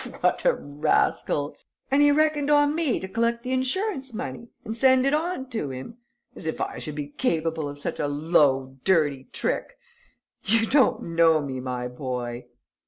What a rascal! And he reckoned on me to collect the insurance money and send it to him? As if I should be capable of such a low, dirty trick!... You don't know me, my boy!"